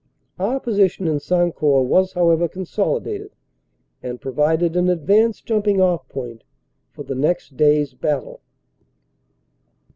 Our position in San court was however consolidated and provided an advanced jumping off point for the next day s battle.